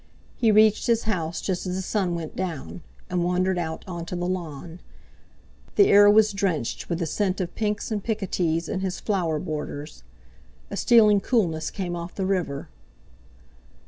He reached his house just as the sun went down, and wandered out on to the lawn. The air was drenched with the scent of pinks and picotees in his flower borders. A stealing coolness came off the river.